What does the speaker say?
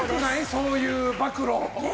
そういう暴露。